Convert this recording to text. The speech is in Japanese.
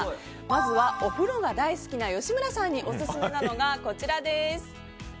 まずはお風呂が大好きな吉村さんにオススメなのがこちらです。